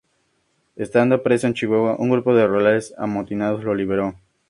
Estando preso en Chihuahua, un grupo de rurales amotinados lo liberó.